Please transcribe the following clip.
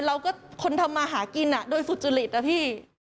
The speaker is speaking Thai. เราก็คนทำมาหากินโดยสุจริตนะพี่